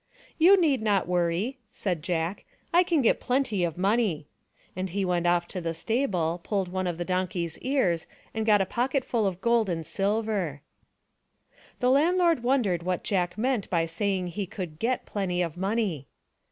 " You need not THE DONKEY, THE TABLE, AND THE STICK 29 1 worry," said Jack, " I can get plenty of money," and he went off to the stable, pulled one of the donkey's ears and got a pocket full of gold and silver. The landlord wondered what Jack meant by saying he could get plenty of money.